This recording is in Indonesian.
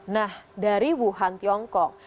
nah dari wuhan tiongkok